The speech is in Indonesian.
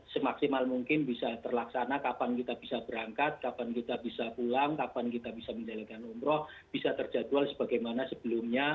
semaksimal mungkin bisa terlaksana kapan kita bisa berangkat kapan kita bisa pulang kapan kita bisa menjalankan umroh bisa terjadwal sebagaimana sebelumnya